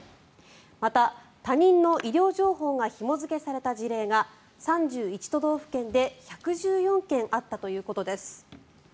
また、他人の医療情報がひも付けされた事例が３１都道府県で１１４件あったということです。